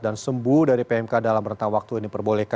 dan sembuh dari pmk dalam rentang waktu ini